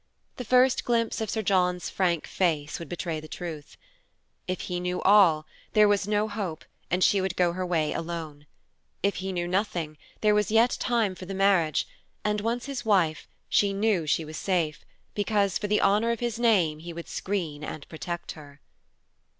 The first glimpse of Sir John's frank face would betray the truth. If he knew all, there was no hope, and she would go her way alone. If he knew nothing, there was yet time for the marriage; and once his wife, she knew she was safe, because for the honor of his name he would screen and protect her.